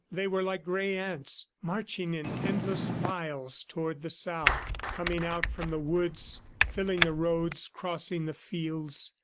They were like gray ants, marching in endless files towards the South, coming out from the woods, filling the roads, crossing the fields.